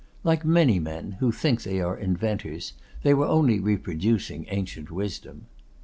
Like many men, who think they are inventors, they were only reproducing ancient wisdom.